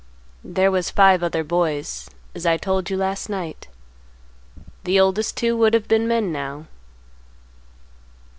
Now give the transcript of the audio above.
"There was five other boys, as I told you last night. The oldest two would have been men now.